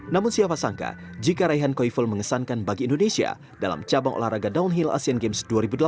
namun siapa sangka jika raihan koiful mengesankan bagi indonesia dalam cabang olahraga downhill asian games dua ribu delapan belas